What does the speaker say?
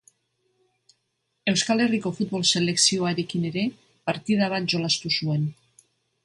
Euskal Herriko futbol selekzioarekin ere partida bat jolastu zuen.